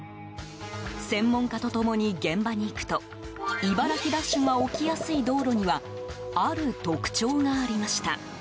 専門家と共に現場に行くと茨城ダッシュが起きやすい道路にはある特徴がありました。